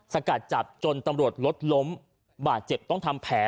สกัดจับจนตำรวจรถล้มบาดเจ็บต้องทำแผล